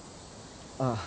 ああ。